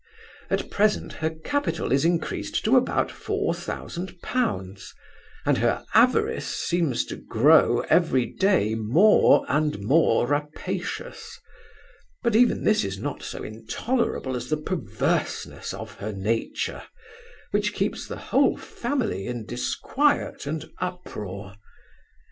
At present her capital is increased to about four thousand pounds; and her avarice seems to grow every day more and more rapacious: but even this is not so intolerable as the perverseness of her nature, which keeps the whole family in disquiet and uproar.